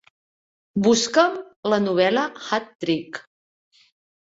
Busca"m la novel·la Hat Trick.